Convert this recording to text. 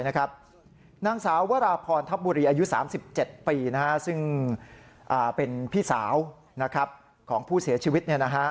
นางสาววราพรทัพบุรีอายุ๓๗ปีซึ่งเป็นพี่สาวของผู้เสียชีวิต